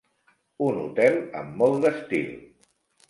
Un hotel amb molt d'estil.